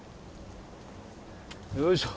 よいしょ。